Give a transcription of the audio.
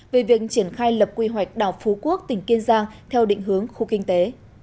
về việc triển khai lập quy hoạch đảo phú quốc tỉnh kiên giang theo định hướng khu kinh tế